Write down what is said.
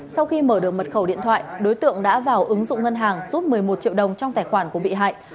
sau khi mở được mật khẩu điện thoại đối tượng đã vào ứng dụng ngân hàng rút một mươi một triệu đồng trong tài khoản của bị hại